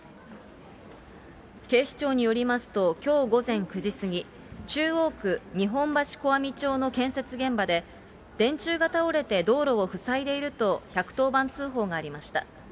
警視庁によりますと、きょう午前９時過ぎ、中央区日本橋小網町の建設現場で、電柱が倒れて道路を塞いでいると、１１０番通報がありました。